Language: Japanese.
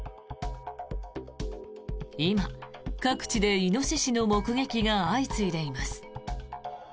今、各地でイノシシの目撃が相次いでいます。